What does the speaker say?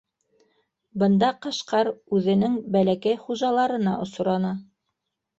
Бында Ҡашҡар үҙенең бәләкәй хужаларына осраны.